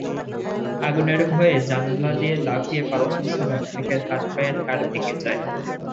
আগুনের ভয়ে জানালা দিয়ে লাফিয়ে পালানোর সময় অনেকের হাত-পায়ের হাড় ভেঙে যায়।